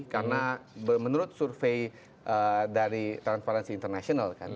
karena menurut survei dari transparency international kan